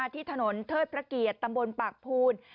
ที่ถนนเทิดพระเกียรติตำบลปากภูน